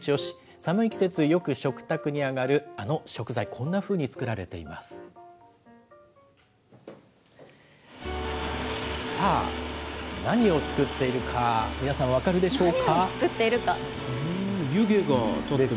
寒い季節、よく食卓に上がるあの食材、こんなふうに作られています。